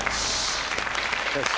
よし。